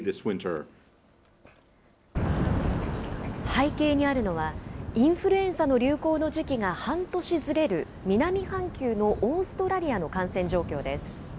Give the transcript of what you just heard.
背景にあるのは、インフルエンザの流行の時期が半年ずれる南半球のオーストラリアの感染状況です。